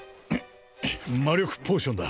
魔力ポーションだ